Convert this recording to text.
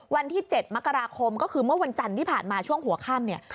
วันที่๗มกราคมก็คือเมื่อวันจันทร์ที่ผ่านมาช่วงหัวค่ำเนี่ย